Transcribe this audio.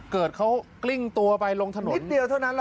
เกิดเขากลิ้งตัวไปลงถนนนิดเดียวเท่านั้นแหละ